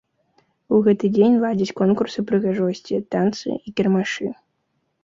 У гэты дзень ладзяць конкурсы прыгажосці, танцы і кірмашы.